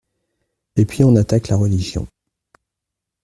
Et puis on attaque la religion.